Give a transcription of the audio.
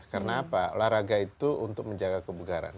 karena apa olahraga itu untuk menjaga kebugaran